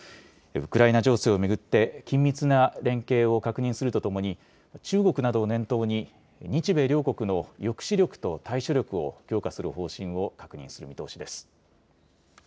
ウクライナ情勢を巡って緊密な連携を確認するとともに中国などを念頭に日米両国の抑止力と対処力を強化する方針を確認する見通しです。